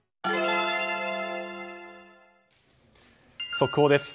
速報です。